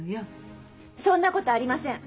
そんなことありません。